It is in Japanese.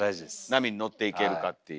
波に乗っていけるかっていう。